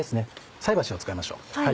菜箸を使いましょう。